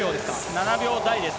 ７秒台ですね。